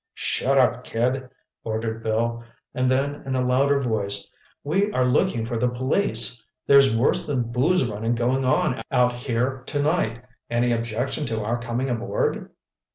"Shut up, kid," ordered Bill, and then in a louder voice: "We are looking for the police. There's worse than booze running going on out here tonight. Any objection to our coming aboard?"